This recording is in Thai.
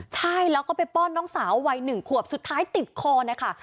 ใช่แล้วก็ไปป้อนน้องสาววัย๑ขวบสุดท้ายติดคอนะคะ